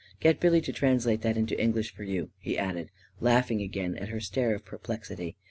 Get Billy to translate that into English for you," he added, laughing again at her stare of perplexity.